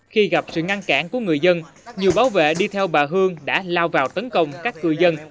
khi gặp sự ngăn cản của người dân nhiều bảo vệ đi theo bà hương đã lao vào tấn công các cư dân